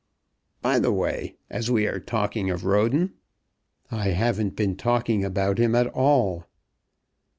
"By the way, as we are talking of Roden " "I haven't been talking about him at all."